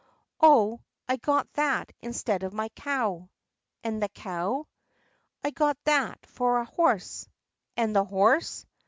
"Oh, I got that instead of my cow." "And the cow?" "I got that for a horse." "And the horse?"